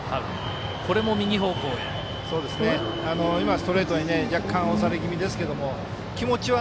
ストレートに若干押され気味ですけど気持ちは